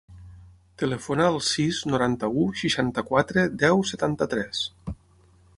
Telefona al sis, noranta-u, seixanta-quatre, deu, setanta-tres.